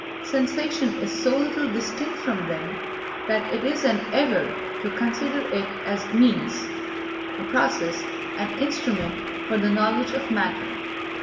Sensation is so little distinct from them that it is an error to consider it as a means, a process, an instrument for the knowledge of matter.